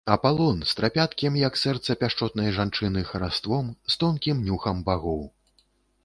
Апалон, з трапяткім, як сэрца пяшчотнай жанчыны, хараством, з тонкім нюхам багоў!